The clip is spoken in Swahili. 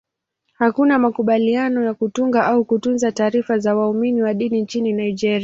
Hakuna makubaliano ya kutunga au kutunza taarifa za waumini wa dini nchini Nigeria.